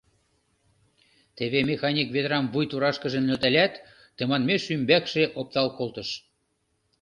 Теве механик ведрам вуй турашкыже нӧлталят, тыманмеш ӱмбакше оптал колтыш.